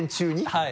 はい。